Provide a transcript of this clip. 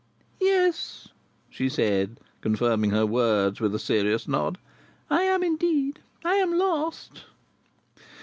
"Yes," she said, confirming her words with a serious nod. "I am indeed. I am lost."